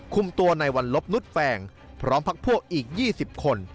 คุมตัวในวันลบนุษย์แฟงพร้อมพักพวกอีก๒๐คน